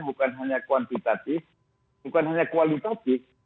bukan hanya kuantitatif bukan hanya kualitatif